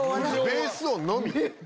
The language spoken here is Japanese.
ベース音のみ。